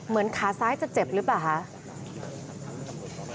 เหมือนขาซ้ายจะเจ็บหรือเปล่าครับ